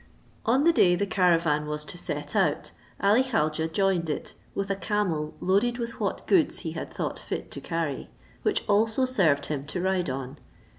On the day the caravan was to set out Ali Khaujeh joined it, with a camel loaded with what goods he had thought fit to carry, which also served him to ride on.